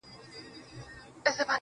څوک چي ستا يو دين د زړه په درزېدا ورکوي